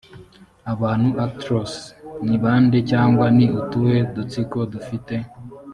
abantu actors ni bande cyangwa ni utuhe dutsiko dufite